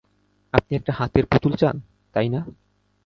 আপনি একটা হাতের পুতুল চান, তাইনা?